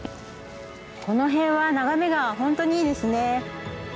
この辺は眺めが本当にいいですね。